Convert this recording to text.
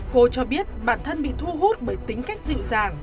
cô cho biết bản thân bị thu hút bởi tính cách giải thưởng